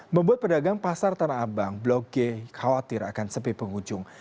membuat pedagang pasar tanah abang blok g khawatir akan sepi pengunjung